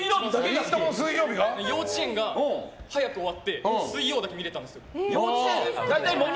幼稚園が早く終わって水曜だけ見てたんですよ。